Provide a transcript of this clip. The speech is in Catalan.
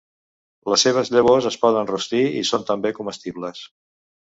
Les seves llavors es poden rostir i són també comestibles.